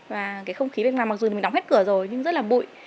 và cái không khí bên ngoài mặc dù mình đóng hết cửa rồi nhưng rất là bụi